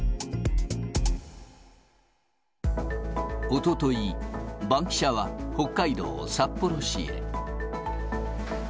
おととい、バンキシャは北海道札幌市へ。